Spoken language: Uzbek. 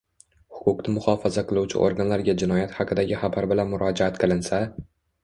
Huquqni muhofaza qiluvchi organlarga jinoyat haqidagi xabar bilan murojaat qilinsa